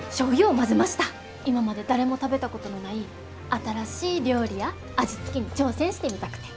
今まで誰も食べたことのない新しい料理や味付けに挑戦してみたくて。